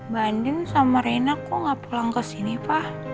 bandin sama rena kok gak pulang kesini pak